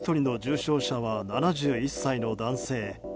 もう１人の重症者は７１歳の男性。